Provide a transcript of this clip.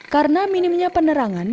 karena minimnya penerangan